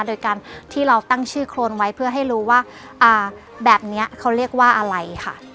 โดยการที่เราตั้งชื่อโครนไว้เพื่อให้รู้ว่าแบบนี้เขาเรียกว่าอะไรค่ะ